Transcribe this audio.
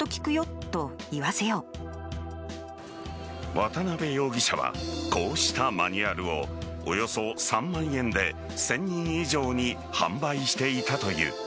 渡辺容疑者はこうしたマニュアルをおよそ３万円で１０００人以上に販売していたという。